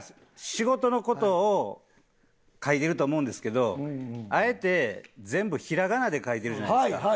仕事の事を書いてると思うんですけどあえて全部ひらがなで書いてるじゃないですか。